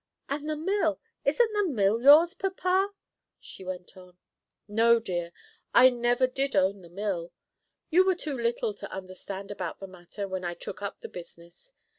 "And the mill? Isn't the mill yours, papa?" she went on. "No, dear, I never did own the mill. You were too little to understand about the matter when I took up the business.